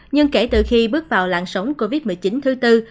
nhưng kể từ khi bước vào làng sống covid một mươi chín thứ tư